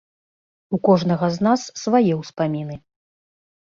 У кожнага з нас свае ўспаміны.